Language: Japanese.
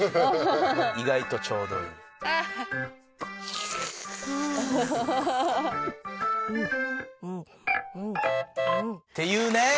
「意外とちょうどいい」っていうね。